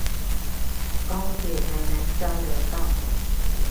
高鐵台南交流道